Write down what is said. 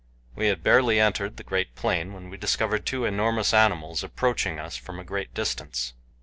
We had barely entered the great plain when we discovered two enormous animals approaching us from a great distance.